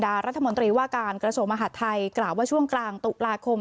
เผาจินดารัฐมนตรีว่าการกระโสมหาดไทยกล่าวว่าช่วงกลางตุปราคม